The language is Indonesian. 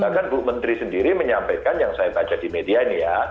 bahkan bu menteri sendiri menyampaikan yang saya baca di media ini ya